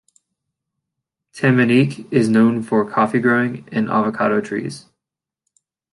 Tamanique is known for coffee growing and avocado trees.